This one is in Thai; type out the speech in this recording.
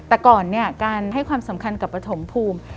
แต่ก่อนเนี่ยการให้ความสำคัญกับปฐมภูมิ